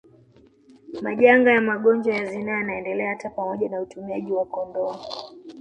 Majanga ya magonjwa ya zinaa yanaendelea hata pamoja na utumiaji wa kondomu